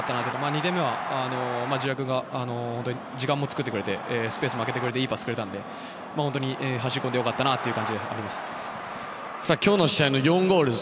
２点目は町田君が時間も作ってくれてスペースも空けてくれていいパスをくれたんで走り込んで今日の試合４ゴール。